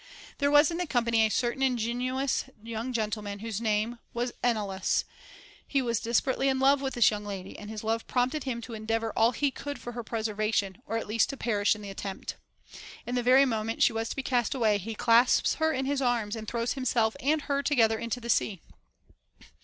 There was in the company a certain ingenuous young gentleman whose name was Enalus ; he was despe rately in love with this young lady, and his love prompted him to endeavor all he could for her preservation, or at least to perish in the attempt. In the very moment she was to be cast away, he clasps her in his arms and throws himself and her together into the sea.